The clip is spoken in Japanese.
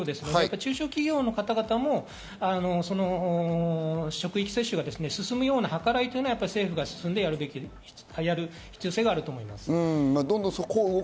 中小企業の方々も職域接種が進むような計らいも政府が進んでやる必要性があると思います。